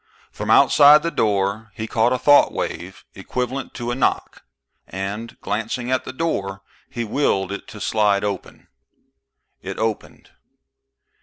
From outside the door he caught a thought wave equivalent to a knock, and, glancing at the door, he willed it to slide open. It opened.